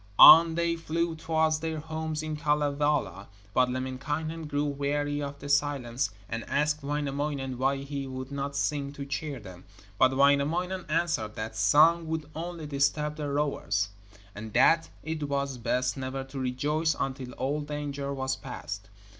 On they flew towards their homes in Kalevala; but Lemminkainen grew weary of the silence, and asked Wainamoinen why he would not sing to cheer them. But Wainamoinen answered that song would only disturb the rowers, and that it was best never to rejoice until all danger was past.